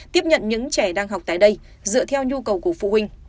tiếp nhận những trẻ đang học tại đây dựa theo nhu cầu của phụ huynh